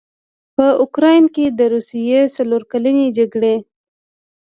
په اوکراین کې د روسیې څلورکلنې جګړې